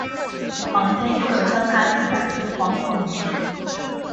坊间多有将她记载为黄凤仪。